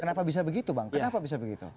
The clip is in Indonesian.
kenapa bisa begitu bang kenapa bisa begitu